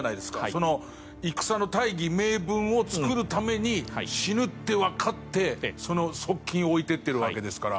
その戦の大義名分を作るために死ぬってわかってその側近を置いていってるわけですから。